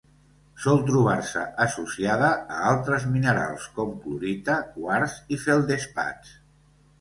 Sol trobar-se associada a altres minerals com: clorita, quars i feldespats.